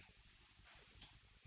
dan mencari tangan dari anak saya